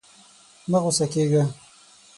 مه غوسه کېږه!